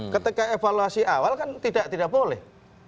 ketika evaluasi awal kan tidak boleh